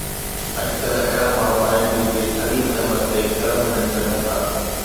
اڄ ڪلهه اهڙا ماڻهو آهن جيڪي سليم احمد تي قلم کڻي سگهن ٿا.